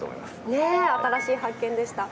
ねえ新しい発見でした。